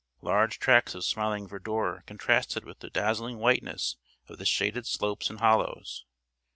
Large tracts of smiling verdure contrasted with the dazzling whiteness of the shaded slopes and hollows.